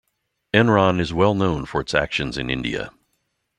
Enron is well known for its actions in India.